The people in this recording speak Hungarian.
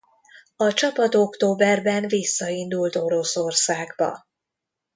A csapat októberben visszaindult Oroszországba.